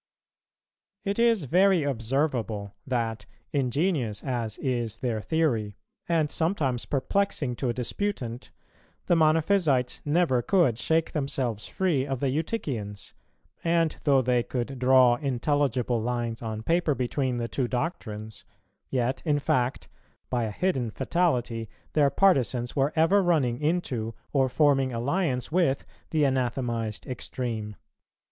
It is very observable that, ingenious as is their theory and sometimes perplexing to a disputant, the Monophysites never could shake themselves free of the Eutychians; and though they could draw intelligible lines on paper between the two doctrines, yet in fact by a hidden fatality their partisans were ever running into or forming alliance with the anathematized extreme.